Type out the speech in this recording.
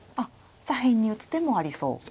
左辺に打つ手もありそう。